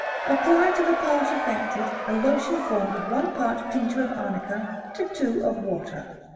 Apply to the part affected a lotion formed of one part of tincture of Arnica to two of water.